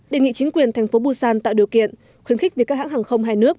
đề nghị chính quyền thành phố busan tạo điều kiện khuyến khích việc các hãng hàng không hai nước